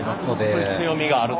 そういう強みがあると。